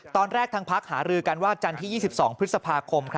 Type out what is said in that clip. ตอนแรกทางพักหารือกันว่าจันทร์ที่๒๒พฤษภาคม